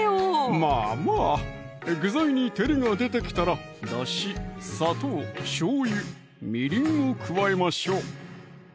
まぁまぁ具材に照りが出てきたらだし・砂糖・しょうゆ・みりんを加えましょう